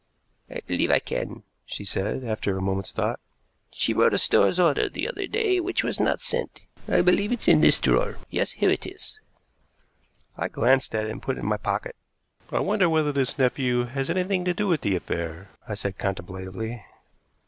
"I believe I can," she said, after a moment's thought. "She wrote a store's order the other day which was not sent. I believe it's in this drawer. Yes, here it is." I glanced at it and put it in my pocket. "I wonder whether this nephew has anything to do with the affair?" I said contemplatively.